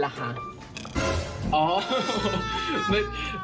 ไม่เป็นไรล่ะค่ะ